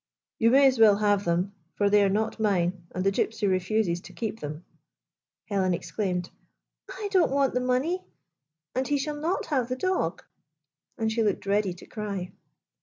" You may as well have them, for they are not mine, and the Gypsy refuses to keep them." . Helen exclaimed :" I don't want the money, and he shall not have the dog," and she looked ready to cry.